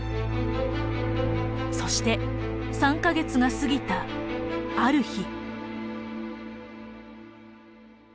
そして３か月が過ぎたある日。